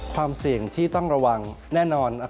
ความเสี่ยงที่ต้องระวังแน่นอน